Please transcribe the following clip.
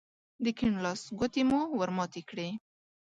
د کيڼ لاس ګوتې مو ور ماتې کړې.